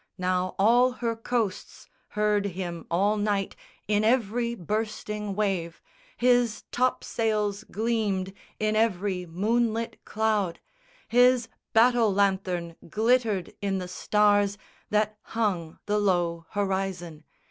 Now all her coasts Heard him all night in every bursting wave, His topsails gleamed in every moonlit cloud; His battle lanthorn glittered in the stars That hung the low horizon.